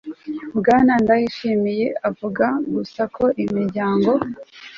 bwana ndayishimiye avuga gusa ko imiryango